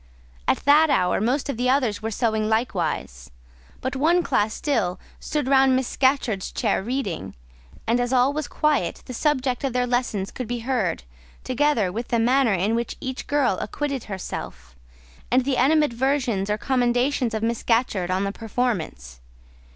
At that hour most of the others were sewing likewise; but one class still stood round Miss Scatcherd's chair reading, and as all was quiet, the subject of their lessons could be heard, together with the manner in which each girl acquitted herself, and the animadversions or commendations of Miss Scatcherd on the performance.